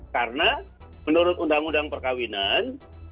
karena menurut undang undang perkawinan